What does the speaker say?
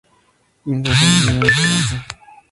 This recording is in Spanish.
Mientras hay vida hay esperanza